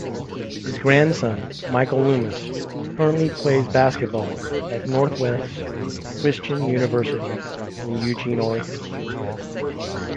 His grandson Michael Loomis currently plays basketball at Northwest Christian University in Eugene, Ore.